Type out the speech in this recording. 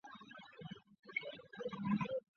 北魏皇始二年。